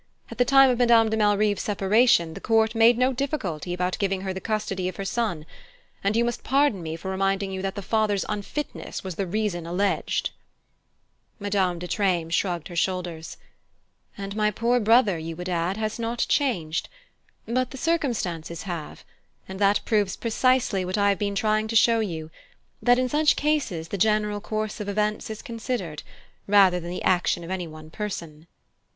At the time of Madame de Malrive's separation, the court made no difficulty about giving her the custody of her son; and you must pardon me for reminding you that the father's unfitness was the reason alleged." Madame de Treymes shrugged her shoulders. "And my poor brother, you would add, has not changed; but the circumstances have, and that proves precisely what I have been trying to show you: that, in such cases, the general course of events is considered, rather than the action of any one person."